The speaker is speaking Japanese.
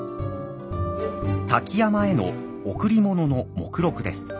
瀧山への贈り物の目録です。